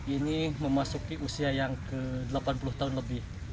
ini memasuki usia yang ke delapan puluh tahun lebih